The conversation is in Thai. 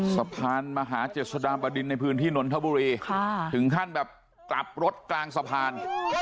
สะพานมหาเจษฎาบดินในพื้นที่นนทบุรีถึงขั้นแบบกลับรถกลางสะพาน